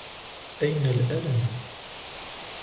أين الألم ؟